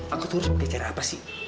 aku tuh harus pakai cara apa sih